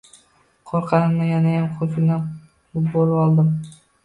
Qo`rqqanimdan yanayam g`ujanak bo`lvoldim